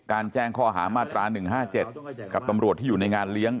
แจ้งข้อหามาตรา๑๕๗กับตำรวจที่อยู่ในงานเลี้ยง